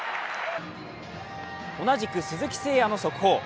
同じく鈴木誠也の速報。